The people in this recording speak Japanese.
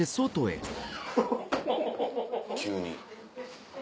急に。